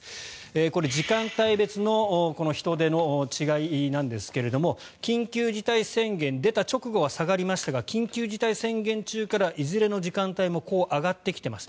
これ、時間帯別の人出の違いなんですが緊急事態宣言出た直後は下がりましたが緊急事態宣言中からいずれの時間帯から上がってきています。